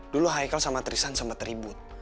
dulu haikal sama tristan sempet ribut